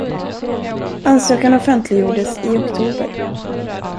Ansökan offentliggjordes i oktober.